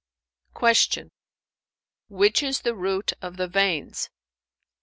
Q "Which is the root of the veins?"